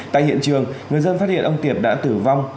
tại hiện trường người dân phát hiện ông tiệp đã tử vong